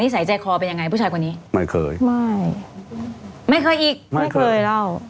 สัยใจคอเป็นยังไงผู้ชายคนนี้ไม่เคยไม่ไม่เคยอีกไม่เคยเล่า